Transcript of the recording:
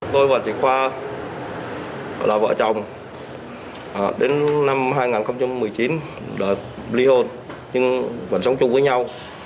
tôi và chị khoa là vợ chồng đến năm hai nghìn một mươi chín đợi ly hôn nhưng vẫn sống chung với nhau